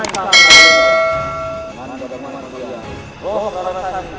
assalamu'alaikum warahmatullah wabarakatuh